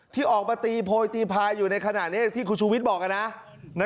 ที่ออกมาตีโพยตีพายอยู่ในขณะนี้ที่คุณชูวิทย์บอกนะ